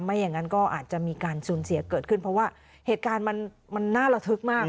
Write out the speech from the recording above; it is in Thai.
อย่างนั้นก็อาจจะมีการสูญเสียเกิดขึ้นเพราะว่าเหตุการณ์มันน่าระทึกมาก